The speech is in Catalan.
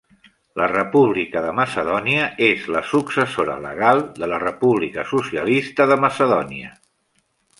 La República de Macedònia és la successora legal de la República Socialista de Macedònia.